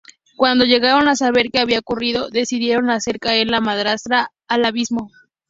Cuando llegaron a saber que había ocurrido, decidieron hacer caer la madrastra al abismo.